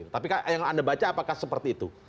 tapi yang anda baca apakah seperti itu